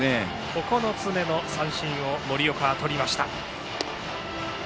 ９つ目の三振を森岡はとりました。